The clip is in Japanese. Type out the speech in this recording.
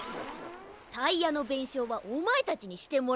タイヤのべんしょうはおまえたちにしてもらうからな。